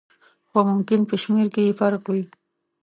خو ممکن په شمېر کې یې فرق وي.